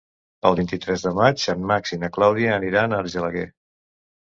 El vint-i-tres de maig en Max i na Clàudia aniran a Argelaguer.